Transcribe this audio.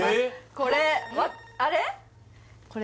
これあれ？